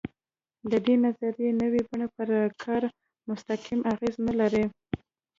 د دې نظریې نوې بڼه پر کار مستقیم اغېز نه لري.